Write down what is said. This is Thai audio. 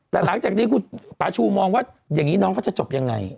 แต่หลังจากนี้คุณปาชูมองว่าอย่างนี้น้องเขาจะจบยังไง